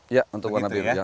ya untuk warna biru